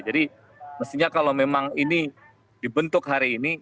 jadi mestinya kalau memang ini dibentuk hari ini